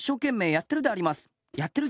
やってるであります。